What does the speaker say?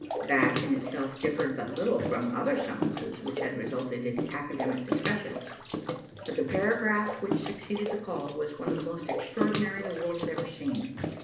That, in itself, differed but little from the other summonses which had resulted in academic discussions, but the paragraph which succeeded the call was one of the most extraordinary the world had ever seen.